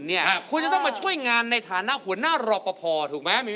คุณจะต้องมาช่วยงานในฐานะหัวหน้ารอปภถูกไหม